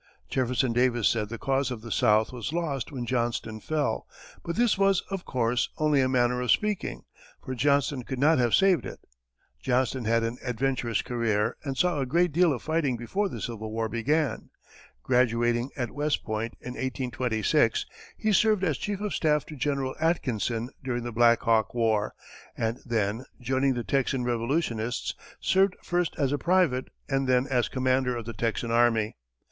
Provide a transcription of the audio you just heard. Jefferson Davis said the cause of the South was lost when Johnston fell, but this was, of course, only a manner of speaking, for Johnston could not have saved it. Johnston had an adventurous career and saw a great deal of fighting before the Civil War began. Graduating at West Point in 1826, he served as chief of staff to General Atkinson during the Black Hawk war, and then, joining the Texan revolutionists, served first as a private and then as commander of the Texan army.